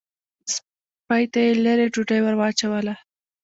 سپۍ ته یې لېرې ډوډۍ ور واچوله.